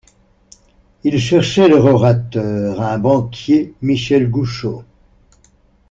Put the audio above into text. Ils cherchaient leur orateur, un banquier, Michel Goudchaux.